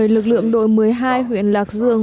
lực lượng đội một mươi hai huyện lạc dương